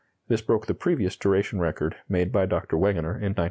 This broke the previous duration record made by Dr. Wegener in 1905.